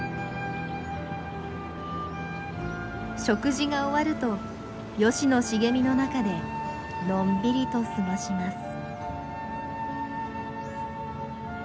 食事が終わるとヨシの茂みの中でのんびりと過ごします。